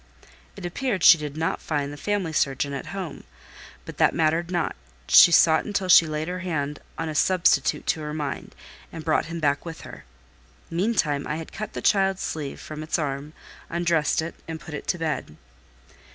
It appeared she did not find the family surgeon at home; but that mattered not: she sought until she laid her hand on a substitute to her mind, and brought him back with her. Meantime I had cut the child's sleeve from its arm, undressed and put it to bed.